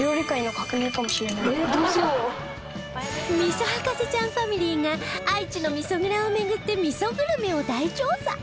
味噌博士ちゃんファミリーが愛知の味噌蔵を巡って味噌グルメを大調査！